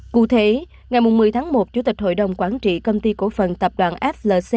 cụ thể ngày một mươi tháng một chủ tịch hội đồng quản trị công ty cổ phần tập đoàn flc